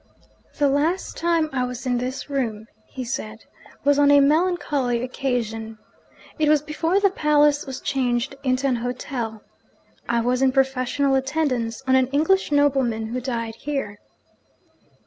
'The last time I was in this room,' he said, 'was on a melancholy occasion. It was before the palace was changed into an hotel. I was in professional attendance on an English nobleman who died here.'